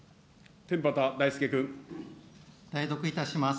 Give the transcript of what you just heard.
代読いたします。